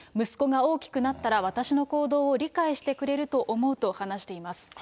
息子が大きくなったら、私の行動を理解してくれると思うと話しています。